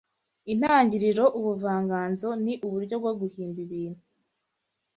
Intangiriro Ubuvanganzo ni uburyo bwo guhimba ibintu